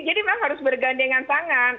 jadi memang harus bergandengan tangan